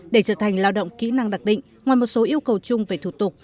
để trở thành lao động kỹ năng đặc định ngoài một số yêu cầu chung về thủ tục